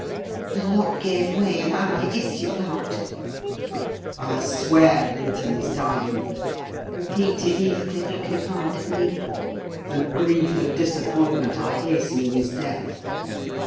The lock gave way and I issued out. "I swear Linton is dying," repeated Heathcliff, looking hard at me. "And grief and disappointment are hastening his death.